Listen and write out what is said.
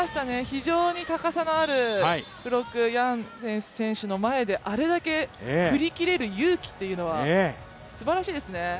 非常に高さのあるブロック、ヤンセンス選手の前であれだけ振り切れる勇気というのはすばらしいですね。